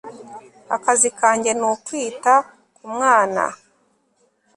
akazi kanjye ni ukwita ku mwana